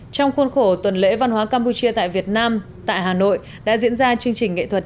trong khuôn khổ tuần lễ văn hóa campuchia tại việt nam tại hà nội đã diễn ra chương trình nghệ thuật